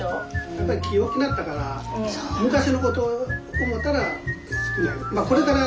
やっぱり木大きなったから昔の事を思たら少ない。